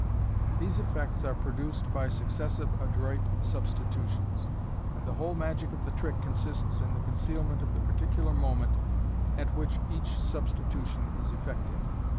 These effects are produced by successive adroit substitutions, and the whole magic of the trick consists in the concealment of the particular moment at which each substitution is effected.